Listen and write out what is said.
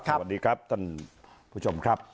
สวัสดีครับท่านผู้ชมครับ